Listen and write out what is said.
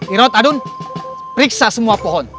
irot adun periksa semua pohon